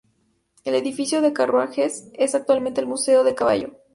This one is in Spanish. El edificio de carruajes es actualmente el "Museo del Caballo".